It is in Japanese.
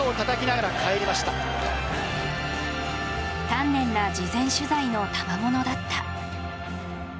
丹念な事前取材のたまものだった。